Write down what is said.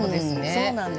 そうなんです。